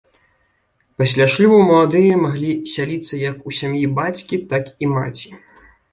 Пасля шлюбу маладыя маглі сяліцца як у сям'і бацькі, так і маці.